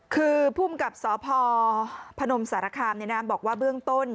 คือภูมิกับสพพนมสารคามบอกว่าเบื้องต้น